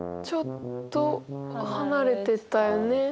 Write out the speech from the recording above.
ちょっと離れてたよね。